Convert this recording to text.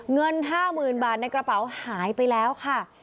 เงิน๕๐๐๐บาทในกระเป๋าหายไปแล้วค่ะ